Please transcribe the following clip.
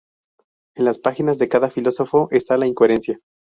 En las páginas de cada filósofo está la incoherencia.